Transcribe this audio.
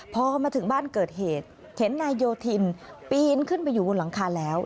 พอมาถึงบ้านเกิดเหตุเห็นนายโยธินปีนขึ้นไปอยู่บนหลังคาแล้ว